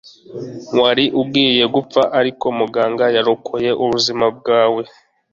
Wari ugiye gupfa ariko muganga yarokoye ubuzima bwawe